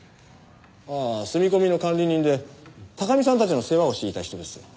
ああ住み込みの管理人で貴巳さんたちの世話をしていた人です。